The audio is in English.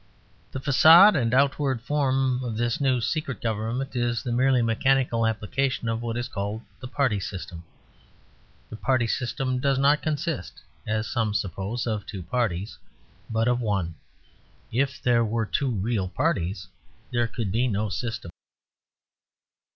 The façade and outward form of this new secret government is the merely mechanical application of what is called the Party System. The Party System does not consist, as some suppose, of two parties, but of one. If there were two real parties, there could be no system.